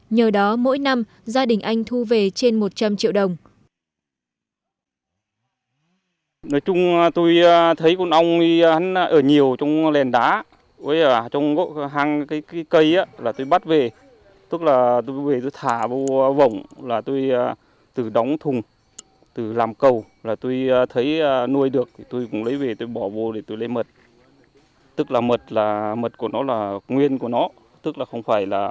nhờ đó mỗi năm gia đình anh thu về trên một trăm linh triệu đồng